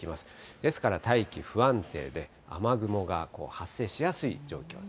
ですから大気不安定で、雨雲が発生しやすい状況。